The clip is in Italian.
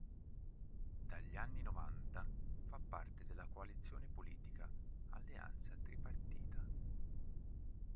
Dagli anni novanta fa parte della coalizione politica Alleanza Tripartita.